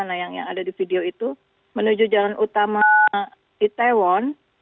nah yang ada di video itu menuju jalan utama itaewon